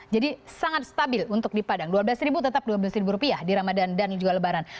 jadi sangat stabil untuk di padang rp dua belas tetap rp dua belas di ramadhan dan juga lebaran